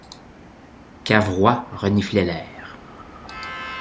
Cavrois reniflait l'air.